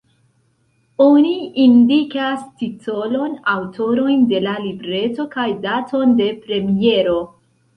Oni indikas titolon, aŭtorojn de la libreto kaj daton de premiero.